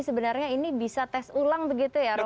sebenarnya ini bisa tes ulang begitu ya romo